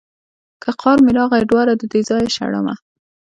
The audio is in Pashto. که قار مې راغی دواړه ددې ځايه شړمه.